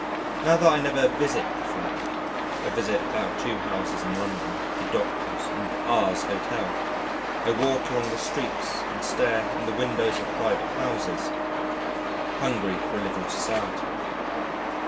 Now that I never visit the flat, I visit about two houses in London the Doctor's and R 's Hotel. I walk along the streets and stare in the windows of private houses, hungry for a little society.